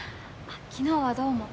昨日はどうも。